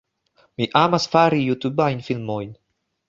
Mi amas fari Jutubajn filmojn